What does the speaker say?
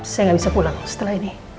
saya nggak bisa pulang setelah ini